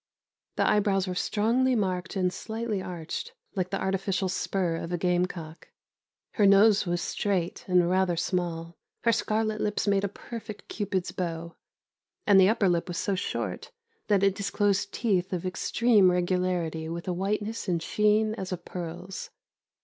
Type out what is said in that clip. The eyebrows were strongly marked and slightly arched, like the artificial spur of a game cock. Her nose was straight and rather small; her scarlet lips made a perfect Cupid's bow, and the upper lip was so short that it disclosed teeth of extreme regularity with a whiteness and sheen as of pearls.